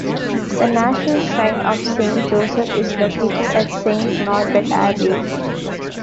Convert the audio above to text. The National Shrine of Saint Joseph is located at Saint Norbert Abbey.